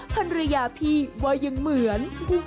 ภรรยาพี่ว่ายังเหมือน